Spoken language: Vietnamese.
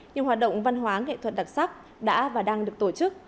nhiều hoạt động văn hóa nghệ thuật đặc sắc đã và đang được tổ chức